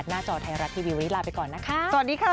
หน้าจอไทยรัตว์ทีวีวลีลาไปก่อนนะคะ